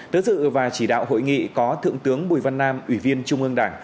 tới dự và chỉ đạo hội nghị có thượng tướng bùi văn nam ủy viên trung ương đảng